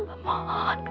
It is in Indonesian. ibu ibu suara disini